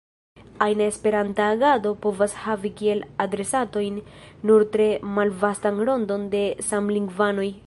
Ajna Esperanta agado povas havi kiel adresatojn nur tre malvastan rondon de samlingvanoj.